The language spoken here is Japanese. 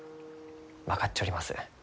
分かっちょります。